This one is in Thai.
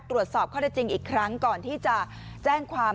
ตรวจสอบข้อได้จริงอีกครั้งก่อนที่จะแจ้งความ